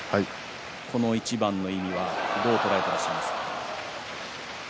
この一番の意味はどう捉えていますか？